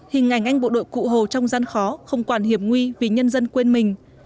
hình ảnh anh bộ đội cụ hồ trong gian khó không quản hiểm nguy vì nhân dân quên mình